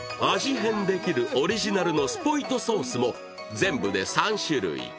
変できるオリジナルのスポイトソースも全部で３種類。